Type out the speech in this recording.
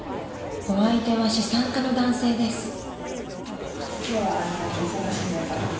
［お相手は資産家の男性です］